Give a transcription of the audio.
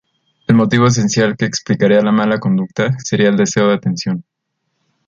El motivo esencial que explicaría la mala conducta sería el deseo de atención.